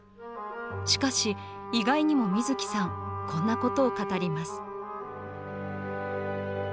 しかし意外にも水木さんこんなことを語ります。